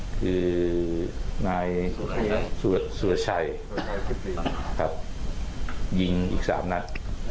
คือนายสวดชัยครับยิงอีกสามนัด